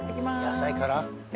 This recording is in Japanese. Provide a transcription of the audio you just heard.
野菜から。